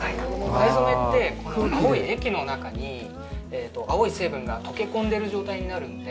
藍染って、この青い液の中に青い成分が溶け込んでいる状態になるんで。